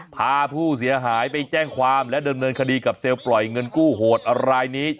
พาผู้เสียหายไปแจ้งความและดำเนินคดีกับเซลล์ปล่อยเงินกู้โหดรายนี้